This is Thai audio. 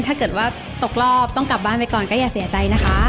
ถ้าเกิดว่าตกรอบต้องกลับบ้านไปก่อนก็อย่าเสียใจนะคะ